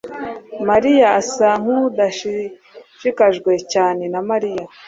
mariya asa nkudashishikajwe cyane na Mariya